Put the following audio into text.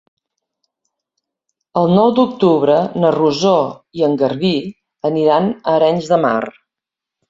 El nou d'octubre na Rosó i en Garbí aniran a Arenys de Mar.